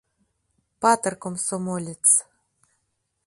Патыр комсомолец.